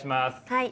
はい。